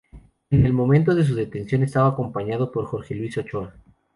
En el momento de su detención estaba acompañado por Jorge Luis Ochoa.